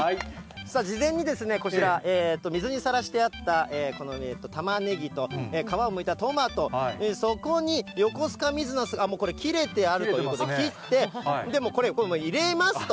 事前にこちら、水にさらしてあったこのタマネギと皮をむいたトマト、そこによこすか水なす、これ、切れてあるということで、切って、これ、もう入れますと。